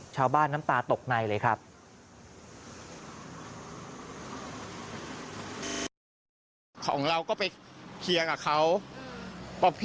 ชาวบ้านน้ำตาตกในเลยครับ